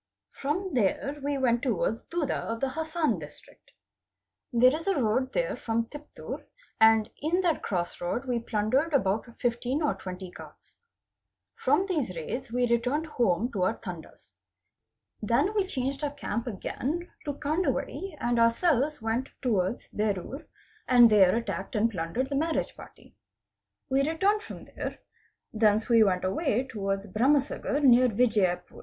From there we went towards Duddu of the Hassan District. There is a road there from Tiptur, and in that cross road we plundered about 15 or 20 carts. From these raids we returned home to our Tandas. Then we changed our camp again to Kandwadi and ourselves went towards Berur and there attacked and plundered the marriage party. We returned from there. Thence we went away towards Bharamsagar near Vijiyapur.